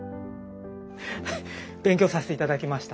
勉強させて頂きました！